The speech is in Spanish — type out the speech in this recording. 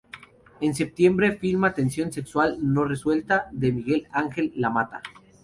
En septiembre filma "Tensión sexual no resuelta" de Miguel Ángel Lamata.